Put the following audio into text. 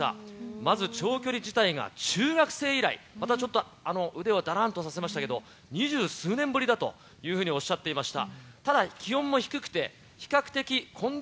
まず長距離自体が中学生以来、またちょっと、腕をだらんとさせましたけれども、二十数年ぶりだとおっしゃっていました。